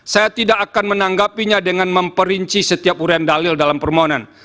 saya tidak akan menanggapinya dengan memperinci setiap urian dalil dalam permohonan